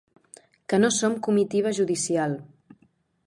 Que no som comitiva judicial.